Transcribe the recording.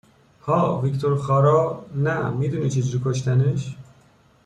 ها ویکتور خارا نه می دونی چه جوری کشتنش؟